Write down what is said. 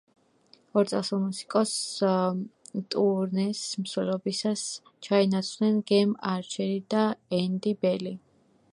ორ წასულ მუსიკოსს ტურნეს მსვლელობისას ჩაენაცვლნენ გემ არჩერი და ენდი ბელი.